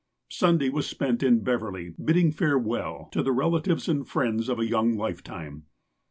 Sunday was spent in Beverley bidding farewell to the relatives and friends of a young lifetime.